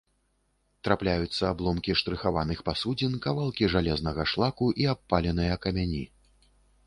Трапляюцца абломкі штрыхаваных пасудзін, кавалкі жалезнага шлаку і абпаленыя камяні.